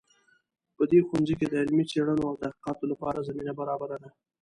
په دې ښوونځي کې د علمي څیړنو او تحقیقاتو لپاره زمینه برابره ده